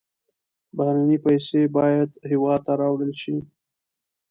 بهرنۍ پیسې باید هېواد ته راوړل شي.